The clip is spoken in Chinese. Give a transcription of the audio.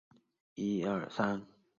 子荀逝敖。